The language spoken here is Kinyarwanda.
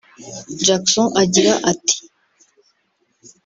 Jackson agira ati